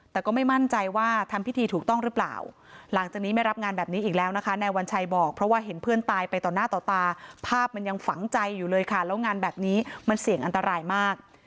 แต่ก็ไม่มั่นใจว่าทำพิธีถูกต้องหรือเปล่าหลังจากนี้ไม่รับงานแบบนี้อีกแล้วนะคะนายวัญชัยบอกเพราะว่าเห็นเพื่อนตายไปต่อหน้าต่อตาภาพมันยังฝังใจอยู่เลยค่ะแล้วงานแบบนี้มันเสี่ยงอันตรายมาก